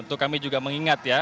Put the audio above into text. tentu kami juga mengingat ya